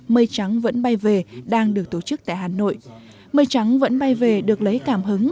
mây trắng vẫn bay về đang được tổ chức tại hà nội mây trắng vẫn bay về được lấy cảm hứng